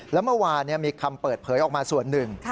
แล้วเมื่อวานมีคำเปิดเผยออกมาส่วนหนึ่ง